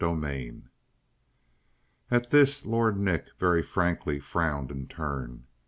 33 At this Lord Nick very frankly frowned in turn.